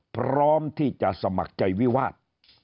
พร้อมที่จะสมัครใจวิวาส